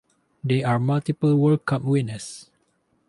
They are multiple World Cup winners.